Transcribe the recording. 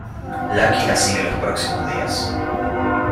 Lucky la sigue los próximos días.